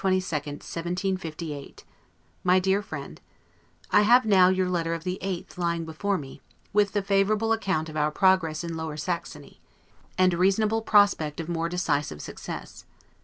LETTER CCXIX LONDON, March 22, 1758 MY DEAR FRIEND: I have now your letter of the 8th lying before me, with the favorable account of our progress in Lower Saxony, and reasonable prospect of more decisive success.